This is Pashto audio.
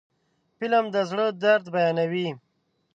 فلم د زړه درد بیانوي